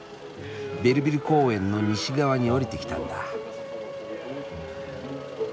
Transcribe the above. ベルヴィル公園の西側に下りてきたんだ。